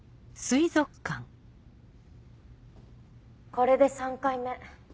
これで３回目。